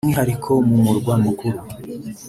by’umwihariko mu murwa mukuru